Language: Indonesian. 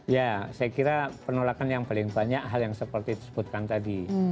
ya saya kira penolakan yang paling banyak hal yang seperti disebutkan tadi